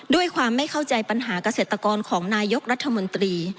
ด้วยความไม่เข้าใจปัญหาเกษตรกรของนายกรัฐมนตรี